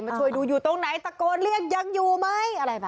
มาช่วยดูอยู่ตรงไหนตะโกนเรียกยังอยู่ไหม